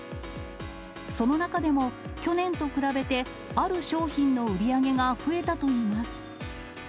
その中でも、去年と比べて、ある商品の売り上げが増えたといいます。